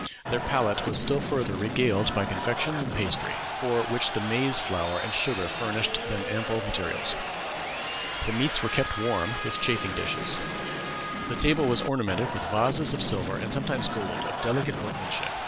Their palate was still further regaled by confections and pastry, for which their maize flower and sugar furnished them ample materials. The meats were kept warm with chafing dishes. The table was ornamented with vases of silver and sometimes gold of delicate workmanship.